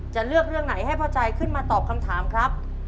จะเลือกเรื่องไหนให้พ่อใจขึ้นมาตอบคำถามครับ